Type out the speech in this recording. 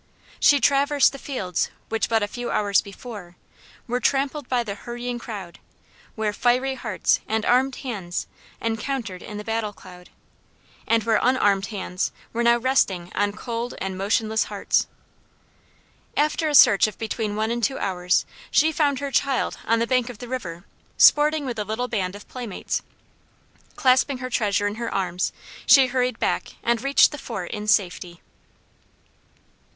She traversed the fields which, but a few hours before, "Were trampled by the hurrying crowd," where " fiery hearts and armed hands, Encountered in the battle cloud," and where unarmed hands were now resting on cold and motionless hearts. After a search of between one and two hours, she found her child on the bank of the river, sporting with a little band of playmates. Clasping her treasure in her arms, she hurried back and reached the fort in safety.